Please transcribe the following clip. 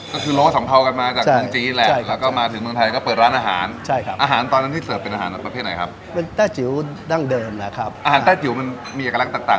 ก็คือโรงสัมเภากันมาจากเมืองจีนแหละ